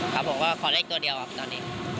ครับผมก็หวังเลขตัวเดียวครับตอนนี้